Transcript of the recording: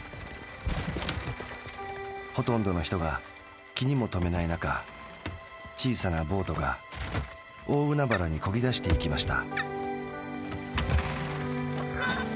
ほとんどの人が気にもとめない中小さなボートが大海原に漕ぎ出していきました。